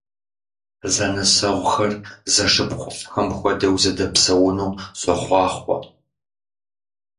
Зэнысэгъухэр зэшыпхъуфӀхэм хуэдэу зэдэпсэуну сохъуахъуэ!